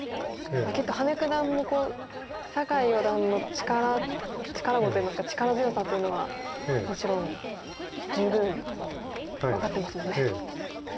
きっと羽根九段も酒井四段の力碁といいますか力強さというのはもちろん十分分かってますもんね。